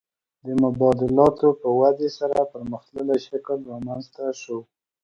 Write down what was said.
د مبادلاتو په ودې سره پرمختللی شکل رامنځته شو